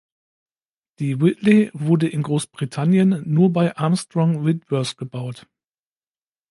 Die Whitley wurde in Großbritannien nur bei Armstrong Whitworth gebaut.